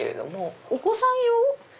お子さん用？